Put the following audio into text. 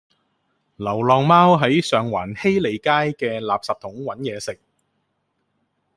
流浪貓喺上環禧利街嘅垃圾桶搵野食